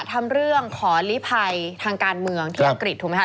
ทำเรื่องขอลิภัยทางการเมืองที่อังกฤษถูกไหมคะ